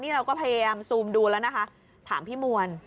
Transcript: เราก็พยายามซูมดูแล้วนะคะถามพี่มวล